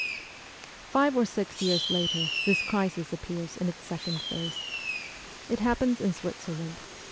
Five or six years later this crisis appears in its second phase. It happens in Switzerland.